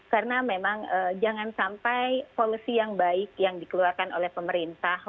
karena memang jangan sampai polisi yang baik yang dikeluarkan oleh pemerintah